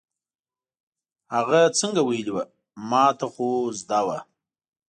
هغه څنګه ویلې وه، ما ته خو زده وه.